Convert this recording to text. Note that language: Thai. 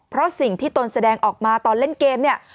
เพราะสิ่งที่ตนแสดงออกมาตอนเล่นเกมเนี่ย